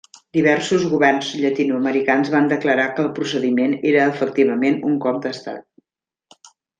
Diversos governs llatinoamericans van declarar que el procediment era efectivament un cop d'Estat.